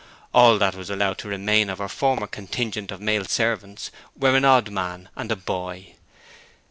All that was allowed to remain of her former contingent of male servants were an odd man and a boy.